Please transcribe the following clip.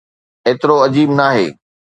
ايترو عجيب ناهي.